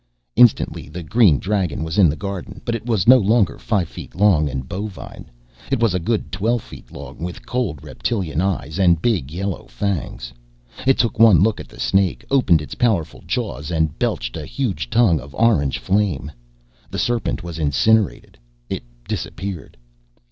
Instantly, the green dragon was in the garden. But it was no longer five feet long and bovine. It was a good twelve feet long, with cold reptilian eyes and big yellow fangs. It took one look at the snake, opened its powerful jaws, and belched a huge tongue of orange flame. The serpent was incinerated. It disappeared.